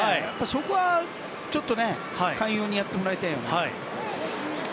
そこは寛容にやってもらいたいよね。